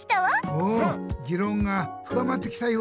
おおぎろんがふかまってきたようだね。